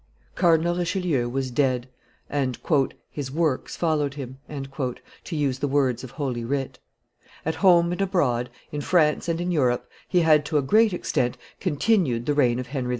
Cardinal Richelieu was dead, and "his works followed him," to use the words of Holy Writ. At home and abroad, in France and in Europe, he had to a great extent continued the reign of Henry IV.